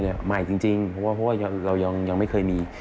ใหม่จริงเพราะว่าเรายังไม่เคยมี